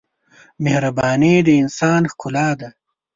مهرباني د انسان ښکلا ده.